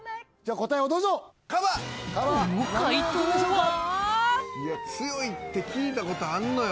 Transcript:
この快答はいや強いって聞いたことあんのよ！